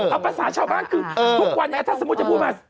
เอาประสาทชาวบ้างถ้าสมมติจะพูดมา